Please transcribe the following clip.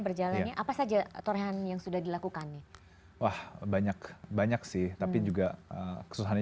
berjalannya apa saja torehan yang sudah dilakukan nih wah banyak banyak sih tapi juga kesusahannya